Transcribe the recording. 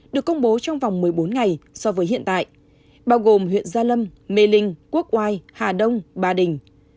được công bố trong vòng một mươi bốn ngày so với hiện tại bao gồm huyện gia lâm mê linh quốc oai hà đông ba đình